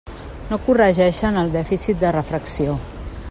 No corregeixen el dèficit de refracció.